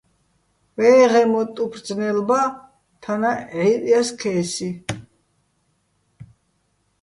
ვეღეჼ მოტტ უფრო ძნელ ბა, თანაც, ჲჵივჸ ჲა სქესი.